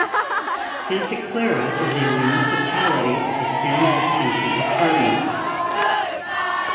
Santa Clara is a municipality of the San Vicente Department.